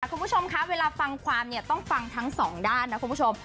คุณผู้ชมคะเวลาฟังความเนี่ยต้องฟังทั้งสองด้านนะคุณผู้ชม